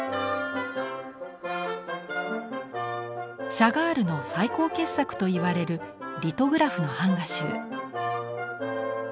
シャガールの最高傑作といわれるリトグラフの版画集。